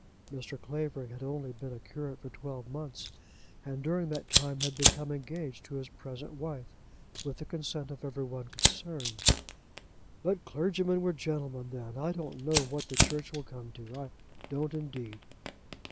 Mr. Clavering had only been a curate for twelve months, and during that time had become engaged to his present wife with the consent of every one concerned. "But clergymen were gentlemen then. I don't know what the Church will come to; I don't indeed."